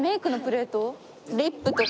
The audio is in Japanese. リップとか。